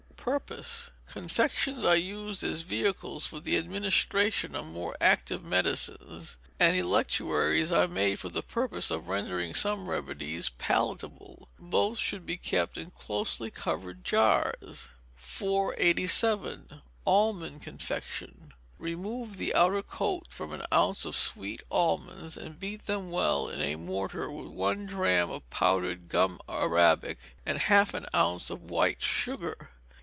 Purpose. Confections are used as vehicles for the administration of more active medicines, and Electuaries are made for the purpose of rendering some remedies palatable. Both should be kept in closely covered jars. 487. Almond Confection. Remove the outer coat from an ounce of sweet almonds, and beat them well in a mortar with one drachm of powdered gum arabic, and half an ounce of white sugar.